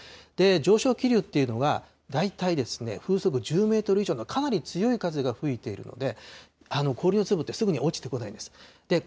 上昇気流っていうのが、大体、風速１０メートル以上のかなり強い風が吹いているので、氷の粒ってすぐに落ちてこないんです。